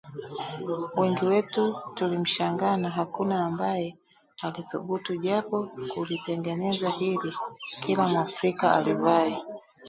wengi wetu tulimshangaa na hakuna ambaye alithubutu japo kulitengeneza ili kila Mwafrika alivae